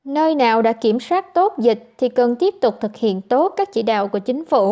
nơi nào đã kiểm soát tốt dịch thì cần tiếp tục thực hiện tốt các chỉ đạo của chính phủ